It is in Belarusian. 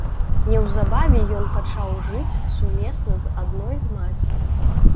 Неўзабаве ён пачаў жыць сумесна з адной з маці.